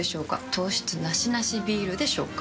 糖質ナシナシビールでしょうか？